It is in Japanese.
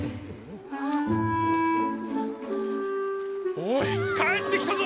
おい帰って来たぞ！